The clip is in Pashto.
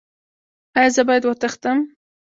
ایا زه باید وتښتم؟